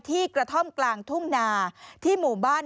กระท่อมกลางทุ่งนาที่หมู่บ้าน